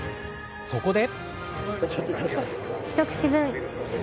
そこで。